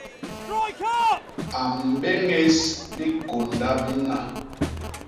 A mbéñés bikônda bina.